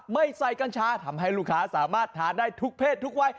ไม่ใส่กัญชาทำให้ลูกค้าสามารถทานได้ทุกเพศทุกวัย